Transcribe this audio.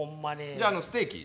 じゃあステーキ。